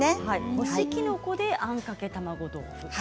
干しきのこであんかけ卵豆腐。